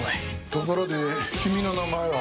ところで君の名前は？